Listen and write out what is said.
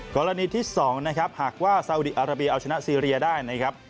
กรณีที่๒นะครับหากว่าซาอุดีอาราเบียเอาชนะซีเรียได้นะครับ